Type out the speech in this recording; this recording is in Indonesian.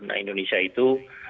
nah indonesia itu